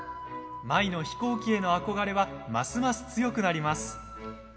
舞の飛行機への憧れはますます強くなります。